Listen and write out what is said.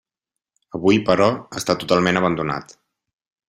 Avui, però, està totalment abandonat.